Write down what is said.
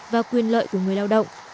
và quyền lợi của người lao động